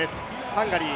ハンガリー